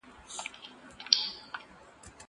که وخت وي، سندري اورم!